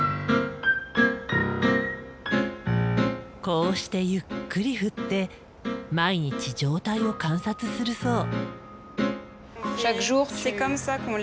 こうしてゆっくり振って毎日状態を観察するそう。